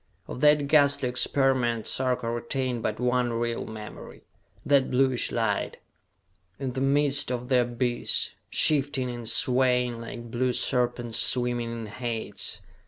Of that ghastly experiment Sarka retained but one real memory.... That bluish light, in the midst of the abyss, shifting and swaying like blue serpents swimming in Hades